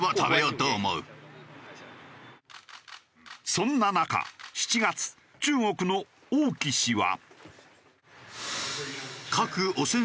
そんな中７月中国の王毅氏は。